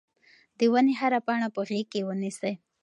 د ونې هره پاڼه په غېږ کې ونیسئ.